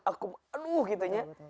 aduh gitu nya